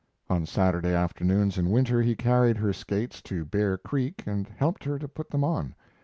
On Saturday afternoons in winter he carried her skates to Bear Creek and helped her to put them on.